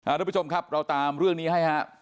ทุกผู้ชมครับเราตามเรื่องนี้ให้ครับ